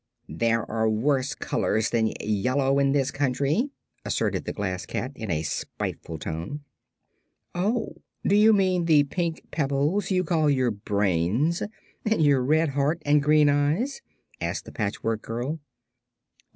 "There are worse colors than yellow in this country," asserted the Glass Cat, in a spiteful tone. "Oh; do you mean the pink pebbles you call your brains, and your red heart and green eyes?" asked the Patchwork Girl.